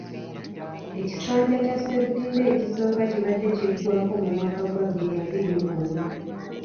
Ekisanja kya Ssebutinde ekisooka kibadde kiggwako mu mwaka gwa bbiri abiri mu gumu.